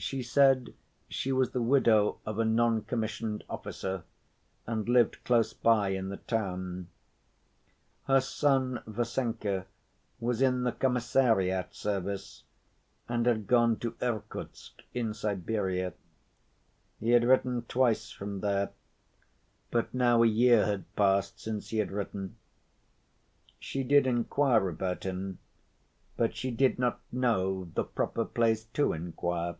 She said she was the widow of a non‐commissioned officer, and lived close by in the town. Her son Vasenka was in the commissariat service, and had gone to Irkutsk in Siberia. He had written twice from there, but now a year had passed since he had written. She did inquire about him, but she did not know the proper place to inquire.